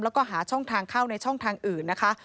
แล้วก็หาช่องทางเข้าในช่องทางอื่นนะคะ